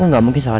gak ada ya